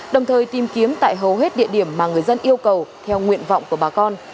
đồng thời tìm kiếm tại hầu hết địa điểm mà người dân yêu cầu theo nguyện vọng của bà con